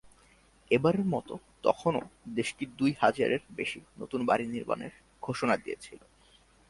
এবারের মতো তখনো দেশটি দুই হাজারের বেশি নতুন বাড়ি নির্মাণের ঘোষণা দিয়েছিল।